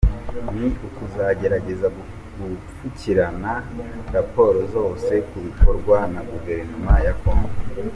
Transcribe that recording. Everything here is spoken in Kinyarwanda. Ni ukugerageza gupfukirana raporo zose ku bikorwa na Guverinoma ya Congo.